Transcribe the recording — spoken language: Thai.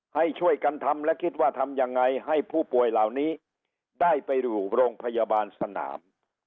ให้ช่วยกันทำและคิดว่าทำยังไงให้ผู้ป่วยเหล่านี้ได้ไปอยู่โรงพยาบาลสนาม